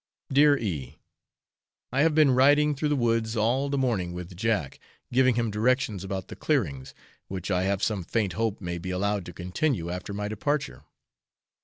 Dear E , I have been riding through the woods all the morning with Jack, giving him directions about the clearings, which I have some faint hope may be allowed to continue after my departure.